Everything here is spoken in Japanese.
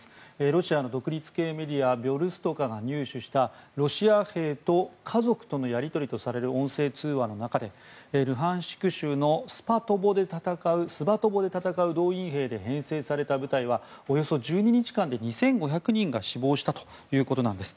ロシアの独立系メディアビョルストカが入手したロシア兵と家族とのやり取りとされる音声通話の中でルハンシク州のスバトボで戦う動員兵で編成された部隊はおよそ１２日間で２５００人が死亡したということなんです。